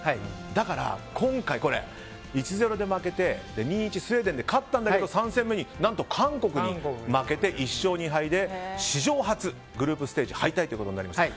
だから、今回１−０で負けて２−１、スウェーデンで勝ったんだけど次で韓国に負けて１勝２敗で、史上初グループステージ敗退となりました。